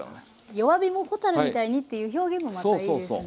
弱火も蛍みたいにっていう表現もまたいいですね。